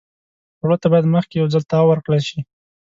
خوړو ته باید مخکې یو ځل تاو ورکړل شي.